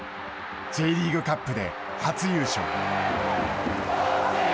Ｊリーグカップで初優勝。